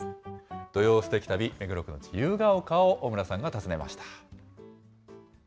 土曜すてき旅、目黒区の自由が丘を小村さんが訪ねました。